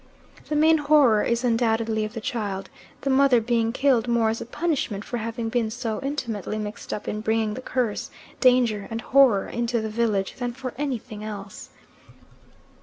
The main horror is undoubtedly of the child, the mother being killed more as a punishment for having been so intimately mixed up in bringing the curse, danger, and horror into the village than for anything else.